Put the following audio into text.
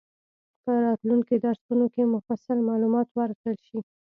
په راتلونکي درسونو کې مفصل معلومات ورکړل شي.